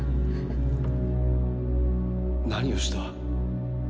何をした？